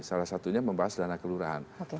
salah satunya membahas dana kelurahan